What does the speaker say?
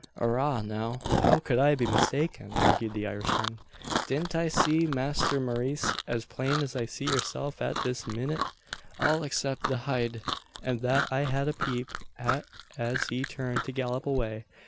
"Arrah, now, how could I be mistaken?" argued the Irishman. "Didn't I see Masther Maurice, as plain as I see yourself at this minnit? All except the hid, and that I had a peep at as he turned to gallop away.